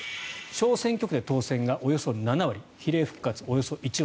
小選挙区で当選がおよそ７割比例復活、およそ１割。